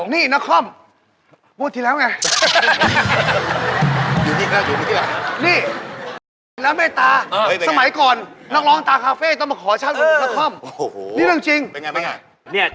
นี่ตีหัวแขกติดแล้ว